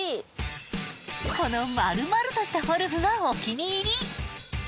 この丸々としたフォルムがお気に入り。